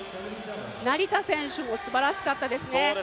成田選手もすばらしかったですね。